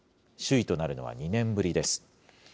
首位となるのは２年ぶりです。